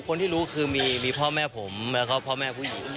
คนที่รู้คือมีพ่อแม่ผมแล้วก็พ่อแม่ผู้หญิง